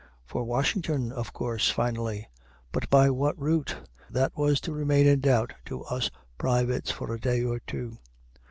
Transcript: For Washington, of course, finally; but by what route? That was to remain in doubt to us privates for a day or two.